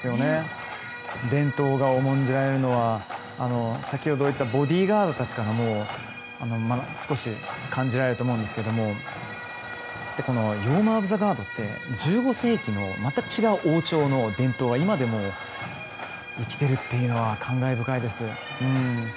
伝統が重んじられるのは先ほど言ったボディーガードたちから少し感じられると思うんですけどヨーマン・オブ・ザ・ガードって１５世紀のまた違う王朝の伝統が今でも生きてるというのは感慨深いです。